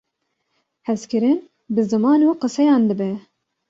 Hezkirin bi ziman û qiseyan dibe.